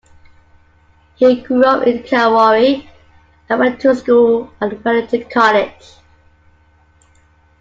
He grew up in Karori and went to school at Wellington College.